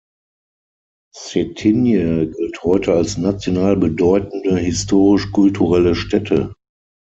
Cetinje gilt heute als national bedeutende historisch-kulturelle Stätte.